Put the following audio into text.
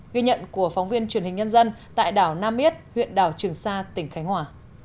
ghi nhận của phóng viên truyền hình nhân dân tại đảo nam yết huyện đảo trường sa tỉnh khánh hòa